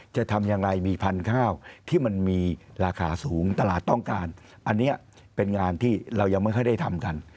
จะทำอย่างไรมีพันธุ์ข้าวที่มันมีราคาสูงตลาดต้องการอันนี้เป็นงานที่เรายังไม่ค่อยได้ทำกัน